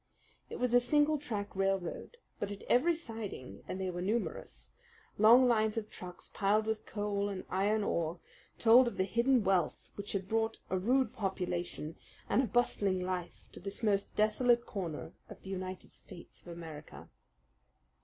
It was a single track railroad; but at every siding and they were numerous long lines of trucks piled with coal and iron ore told of the hidden wealth which had brought a rude population and a bustling life to this most desolate corner of the United States of America.